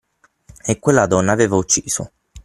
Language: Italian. E quella donna aveva ucciso!